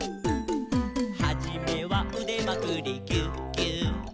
「はじめはうでまくりギューギュー」